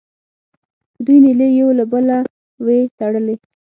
د دوی نیلې یو له بله وې تړلې.